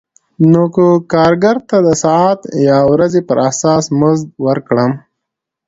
نو که کارګر ته د ساعت یا ورځې پر اساس مزد ورکړم